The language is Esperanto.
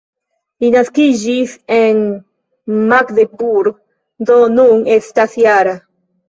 Li naskiĝis en Magdeburg, do nun estas -jara.